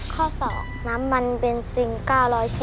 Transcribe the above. ข้อ๒น้ำมันเบนซิง๙๔๐